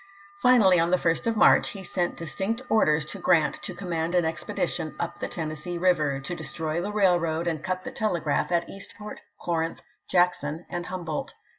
Finally, on the 1st of March, he sent distinct orders to Grant to com mand an expedition up the Tennessee River, to destroy the railroad and cut the telegraph at East port, Corinth, Jackson, and Humboldt.